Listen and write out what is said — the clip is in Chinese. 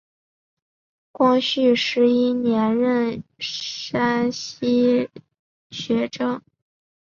光绪十一年任山西学政。